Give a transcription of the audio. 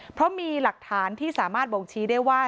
เพราะมีหลักฐานที่สามารถบ่งชี้ได้ว่า